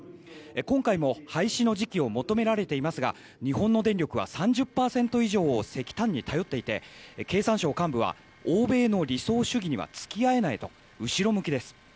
今回も廃止の時期を求められていますが日本の電力は３０％以上を石炭に頼っていて経産省幹部は欧米の理想主義には付き合えないと後ろ向きです。